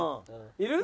いる？